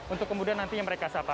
untuk kemudian nantinya mereka sapa